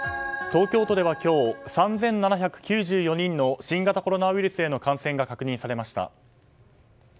東京都では今日、３７９４人の新型コロナウイルスへの感染が確認されました。